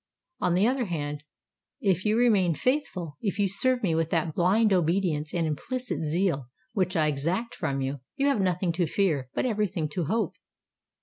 On the other hand, if you remain faithful—if you serve me with that blind obedience and implicit zeal which I exact from you, you have nothing to fear, but every thing to hope."